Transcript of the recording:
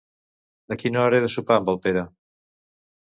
A quina hora he de sopar amb el Pere?